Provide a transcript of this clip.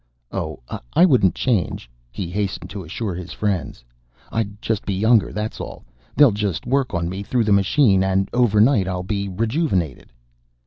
"Oh, I wouldn't change," he hastened to assure his friends. "I'd just be younger, that's all. They'll just work on me through the machine, and over night I'll be rejuvenated."